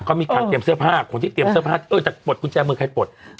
เขามีการเตรียมเสื้อผ้าคนที่เตรียมเสื้อผ้าเออจะปลดกุญแจมือใครปลด